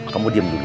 kamu diam dulu